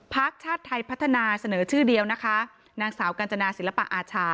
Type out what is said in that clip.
ผักชาติไทยพัฒนาสหนอชื่อเดียวจริงจารกิจน้องสาวกรรจนาศิลปะอาชา